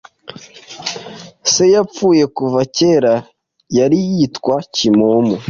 Se yapfuye kuva kera yari yitwakimomo